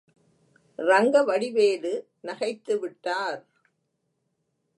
ரங்கவடிவேலு நகைத்து விட்டார்.